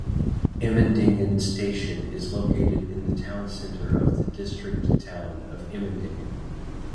Emmendingen station is located in the town centre of the district town of Emmendingen.